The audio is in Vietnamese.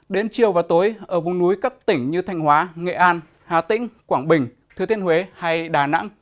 đến chiều và tối ở vùng núi các tỉnh như thanh hóa nghệ an hà tĩnh quảng bình thứ tiên huế hay đà nẵng